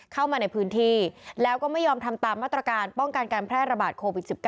เข้ามาในพื้นที่แล้วก็ไม่ยอมทำตามมาตรการป้องกันการแพร่ระบาดโควิด๑๙